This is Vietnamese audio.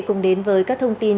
cùng đến với các thông tin